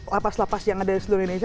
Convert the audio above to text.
lapas lapas yang ada di seluruh indonesia